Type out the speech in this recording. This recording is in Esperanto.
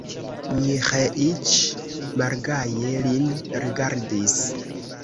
Miĥeiĉ malgaje lin rigardis.